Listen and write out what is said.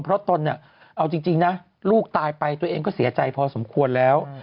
เพราะตนเนี่ยเอาจริงนะลูกตายไปตัวเองก็เสียใจพอสมควรแล้ว